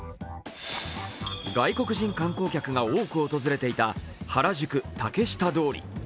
外国人観光客が多く訪れていた原宿・竹下通り。